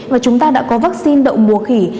và chúng ta đã có vaccine đậu mùa khỉ